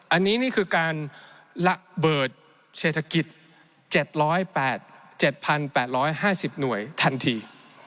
อันนี้นี่คือการระเบิดเศรษฐกิจ๗๘๕๐หน่วยทันที